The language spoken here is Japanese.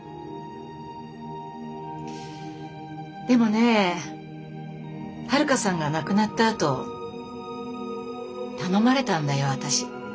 でもね遥さんが亡くなったあと頼まれたんだよ私。